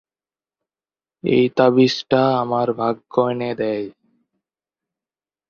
এই তাবিজটা আমাকে ভাগ্য এনে দেয়।